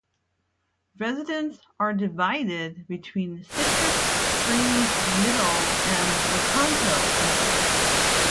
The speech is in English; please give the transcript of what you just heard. Residents are divided between Citrus Springs Middle and Lecanto Middle.